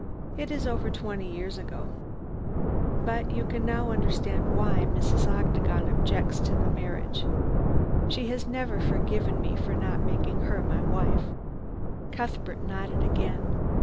It is over twenty years ago. But you can now understand why Mrs. Octagon objects to the marriage. She has never forgiven me for not making her my wife." Cuthbert nodded again.